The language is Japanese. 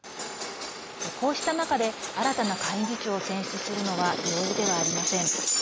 こうした中で新たな下院議長を選出するのは容易ではありません。